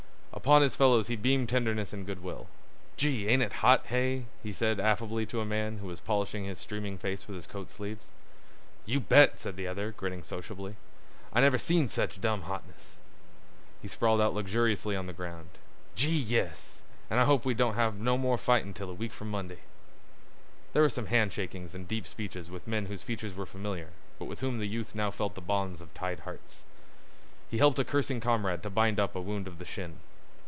Upon his fellows he beamed tenderness and good will. "Gee! ain't it hot, hey?" he said affably to a man who was polishing his streaming face with his coat sleeves. "You bet!" said the other, grinning sociably. "I never seen sech dumb hotness." He sprawled out luxuriously on the ground. "Gee, yes! An' I hope we don't have no more fightin' till a week from Monday." There were some handshakings and deep speeches with men whose features were familiar, but with whom the youth now felt the bonds of tied hearts. He helped a cursing comrade to bind up a wound of the shin.